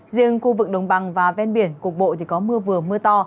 riêng khu vực đồng bằng và ven biển cục bộ thì có mưa vừa mưa to